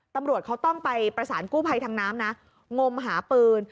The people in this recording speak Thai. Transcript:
ตำรวจเขาต้องไปประสานกู้ภัยทางน้ำนะงมหาปืน